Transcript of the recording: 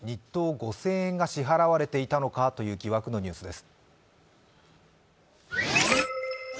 ５０００円が支払われていたのかという疑惑のニュースです。